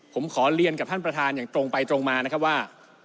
ผมขอเรียนกับท่านประธานอย่างตรงไปตรงมานะครับว่า